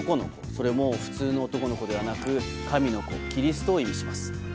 それも普通の男の子ではなく神の子キリストを意味します。